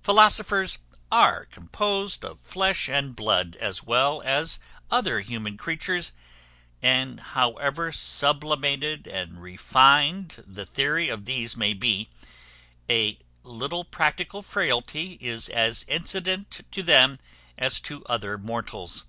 Philosophers are composed of flesh and blood as well as other human creatures; and however sublimated and refined the theory of these may be, a little practical frailty is as incident to them as to other mortals.